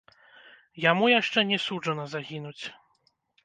Яму яшчэ не суджана загінуць.